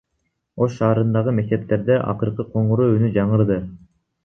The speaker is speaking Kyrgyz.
Ош шаарындагы мектептерде акыркы коңгуроо үнү жаңырды.